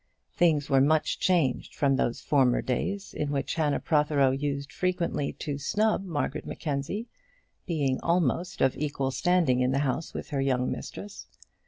Things were much changed from those former days in which Hannah Protheroe used frequently to snub Margaret Mackenzie, being almost of equal standing in the house with her young mistress.